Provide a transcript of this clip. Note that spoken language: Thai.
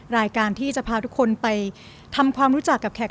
รายการที่จะพาทุกคนไปทำความรู้จักกับแขก